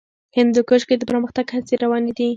هندوکش کې د پرمختګ هڅې روانې دي.